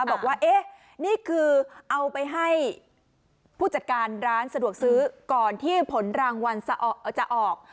บอกว่าเอ๊ะนี่คือเอาไปให้ผู้จัดการร้านสะดวกซื้อก่อนที่ผลรางวัลจะออก